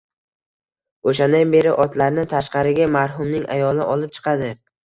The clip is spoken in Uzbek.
O`shandan beri otlarni tashqariga marhumning ayoli olib chiqadi